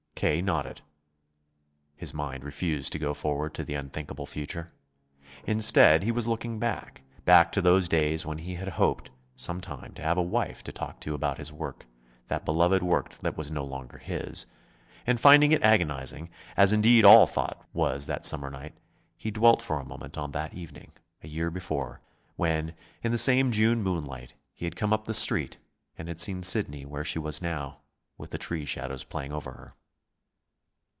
K. nodded. His mind refused to go forward to the unthinkable future. Instead, he was looking back back to those days when he had hoped sometime to have a wife to talk to about his work, that beloved work that was no longer his. And, finding it agonizing, as indeed all thought was that summer night, he dwelt for a moment on that evening, a year before, when in the same June moonlight, he had come up the Street and had seen Sidney where she was now, with the tree shadows playing over her.